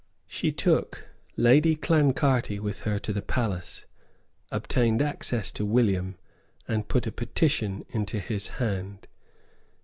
She took Lady Clancarty with her to the palace, obtained access to William, and put a petition into his hand.